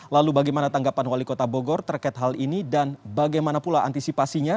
lalu bagaimana tanggapan wali kota bogor terkait hal ini dan bagaimana pula antisipasinya